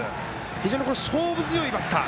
非常に勝負強いバッター